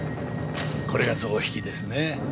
これが象引ですね。